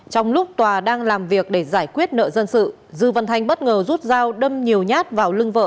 trong lúc tòa đang làm việc để giải quyết nợ dân sự dư văn thanh bất ngờ rút dao đâm nhiều nhát vào lưng vợ